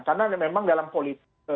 karena memang dalam politik